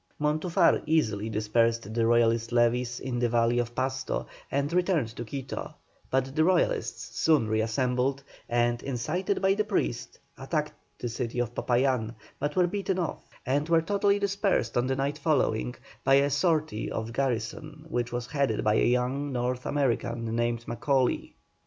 Montufar easily dispersed the Royalist levies in the valley of Pasto, and returned to Quito, but the Royalists soon re assembled, and, incited by the priests, attacked the city of Popayán, but were beaten off, and were totally dispersed on the night following by a sortie of the garrison, which was headed by a young North American named Macaulay.